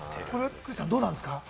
クリスさん、どうなんですか？